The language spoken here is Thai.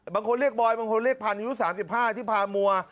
บางคนเรียกบอยบางคนเรียกพันอายุ๓๕ที่พามัว